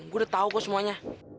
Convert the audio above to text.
gua udah tahu kok semuanya